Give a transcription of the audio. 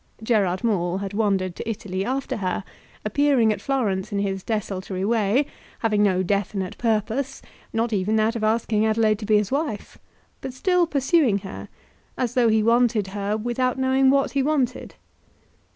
Gerard Maule had wandered to Italy after her, appearing at Florence in his desultory way, having no definite purpose, not even that of asking Adelaide to be his wife, but still pursuing her, as though he wanted her without knowing what he wanted.